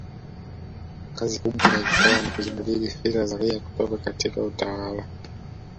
Kazi kubwa ikawa ni kuzibadili fikra za raia kutoka katika utawala